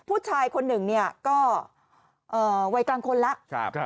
ผู้ชายคนหนึ่งเนี่ยก็วัยกลางคนแล้ว